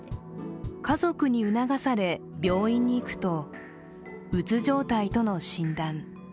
家族に促され病院に行くと、鬱状態との診断。